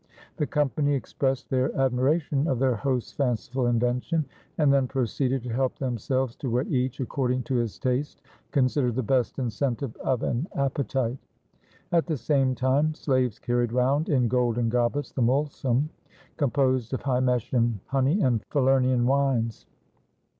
The company expressed their admiration of their host's fanciful invention, and then proceeded to help themselves to what each, according to his taste, considered the best incentive of an appetite. At the same time slaves carried round in golden goblets the mulsum, composed of Hymettian honey and Faler nian wines.